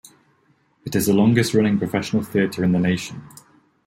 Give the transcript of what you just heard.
It is the longest-running professional theatre in the nation.